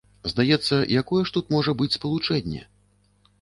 Здаецца, якое ж тут можа быць спалучэнне?